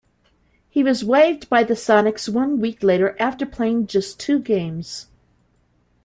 He was waived by the Sonics one week later after playing just two games.